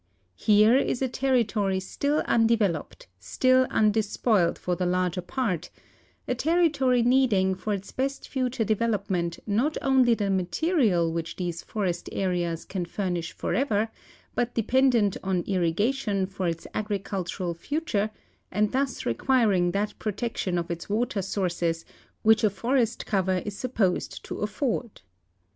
Here is a ter ritory still undeveloped, still undespoiled for the larger part — a territory needing for its best future development not only the material which these forest areas can furnish forever, but depend ent on irrigation for its agricultural future, and thus re<iuiring that protection of its water sources which a forest cover is sup posed to afford.